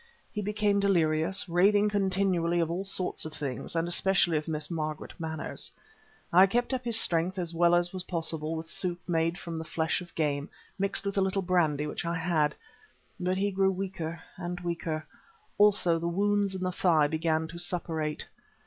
He became delirious, raving continually of all sorts of things, and especially of Miss Margaret Manners. I kept up his strength as well as was possible with soup made from the flesh of game, mixed with a little brandy which I had. But he grew weaker and weaker. Also the wounds in the thigh began to suppurate.